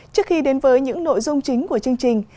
trước khi đến với những nội dung chính của chương trình